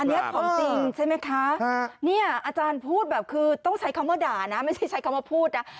อันนี้ของจริงใช่ไหมคะเนี่ยอาจารย์พูดแบบคือต้องใช้คำว่าด่านะไม่ใช่ใช้คำว่าพูดนะ